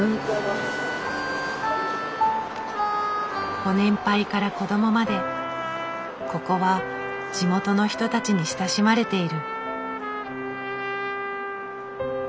ご年配から子供までここは地元の人たちに親しまれている。